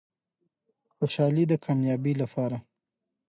خوشالي د کامیابۍ لپاره کونجي شمېرل کېږي.